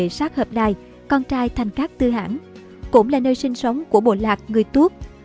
hậu duệ sát hợp đài con trai thanh cát tư hãng cũng là nơi sinh sống của bộ lạc người tuốt